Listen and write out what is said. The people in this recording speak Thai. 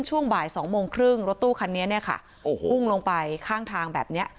ช่วงบ่ายสองโมงครึ่งรถตู้คันนี้เนี่ยค่ะโอ้โหพุ่งลงไปข้างทางแบบเนี้ย